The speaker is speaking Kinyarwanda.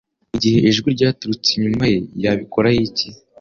Igihe ijwi ryaturutse inyuma ye yabikoraho iki